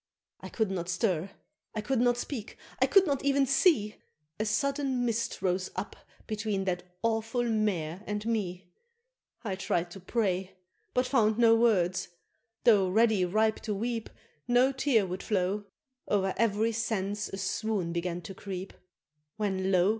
I could not stir I could not speak I could not even see A sudden mist rose up between that awful Mare and me, I tried to pray, but found no words tho' ready ripe to weep, No tear would flow, o'er ev'ry sense a swoon began to creep, When lo!